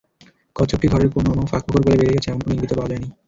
কচ্ছপটি ঘেরের কোনো ফাঁকফোকর গলে বেরিয়ে গেছে, এমন কোনো ইঙ্গিতও পাওয়া যায়নি।